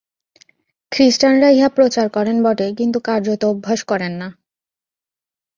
খ্রীষ্টানরা ইহা প্রচার করেন বটে, কিন্তু কার্যত অভ্যাস করেন না।